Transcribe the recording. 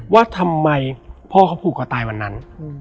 ว่าทำไมพ่อเขาผูกคอตายวันนั้น